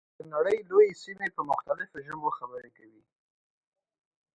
د نړۍ لویې سیمې په مختلفو ژبو خبرې کوي.